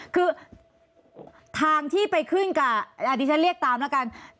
คือทางที่ไปขึ้นกับดิฉันเรียกตามแล้วกัน